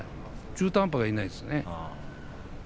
中途半端がいないですね。